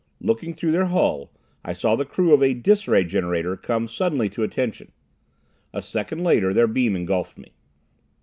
Looking through their hull, I saw the crew of a dis ray generator come suddenly to attention. A second later their beam engulfed me.